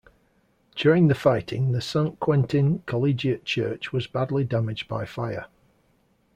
During the fighting the Saint-Quentin collegiate church was badly damaged by fire.